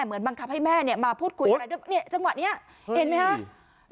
เหมือนบังคับให้แม่เนี่ยมาพูดคุยอะไรด้วยเนี่ยจังหวะนี้เห็นไหมคะ